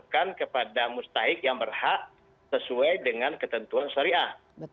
diberikan kepada mustaik yang berhak sesuai dengan ketentuan syariah